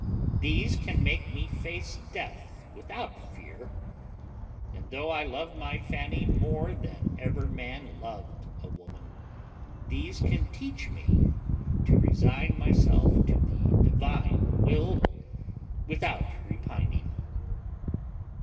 These can make me face death without fear; and though I love my Fanny more than ever man loved a woman, these can teach me to resign myself to the Divine will without repining.